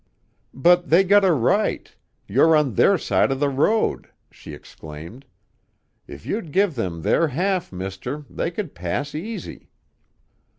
"But they got a right; you're on their side of the road," she exclaimed. "If you'd give them their half, mister, they could pass easy."